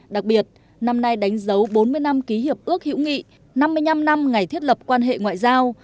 đặc biệt năm nay đánh dấu bốn mươi năm ký hiệp ước hữu nghị năm mươi năm năm ngày thiết lập quan hệ ngoại giao